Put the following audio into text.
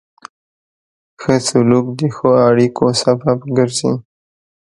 ښه سلوک د ښو اړیکو سبب ګرځي.